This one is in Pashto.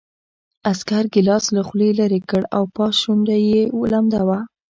عسکر ګیلاس له خولې لېرې کړ او پاس شونډه یې لمده وه